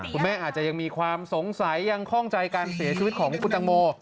คุณแม่อาจจะยังมีความสงสัยยังคล่องใจการเสียชีวิตของคุณตังโม